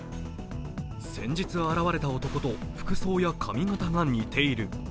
先日現れた男と服装や髪形が似ている。